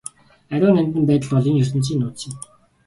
Ариун нандин байдал бол энэ ертөнцийн нууц юм.